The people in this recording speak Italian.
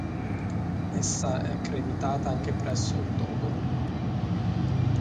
Essa è accreditata anche presso il Togo.